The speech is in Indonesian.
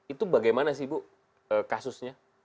itu bagaimana sih bu kasusnya